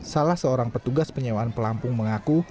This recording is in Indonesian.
salah seorang petugas penyewaan pelampung mengaku